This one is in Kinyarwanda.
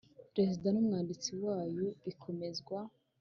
Perezida n umwanditsi wayo ikemezwa